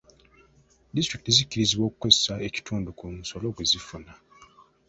Disitulikiti zikkirizibwa okukozesa ekitundu ku musolo gwe zifuna.